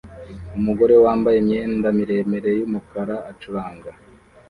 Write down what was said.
Umugore wambaye imyenda miremire yumukara acuranga